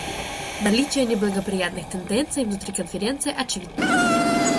Наличие неблагоприятных тенденций внутри Конференции очевидно.